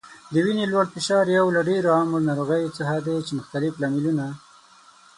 د وینې لوړ فشار یو له ډیرو عامو ناروغیو څخه دی چې مختلف لاملونه